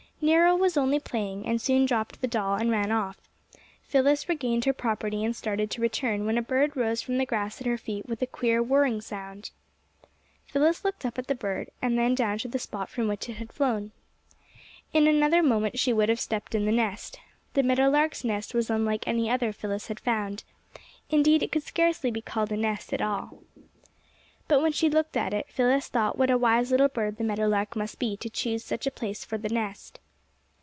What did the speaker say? Nero was only playing, and soon dropped the doll and ran off. Phyllis regained her property and started to return, when a bird rose from the grass at her feet with a queer whirring sound. Phyllis looked up at the bird and then down to the spot from which it had flown. In another moment she would have stepped in the nest. This meadow lark's nest was unlike any other Phyllis had found. Indeed, it could scarcely be called a nest at all. But when she looked at it Phyllis thought what a wise little bird the meadow lark must be to choose such a place for the nest.